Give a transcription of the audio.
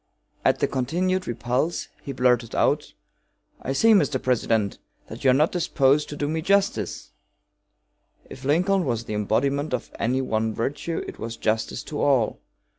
At the continued repulse he blurted out: "I see, Mr. President, that you are not disposed to do me justice!" If Lincoln was the embodiment of any one virtue it was justice to all.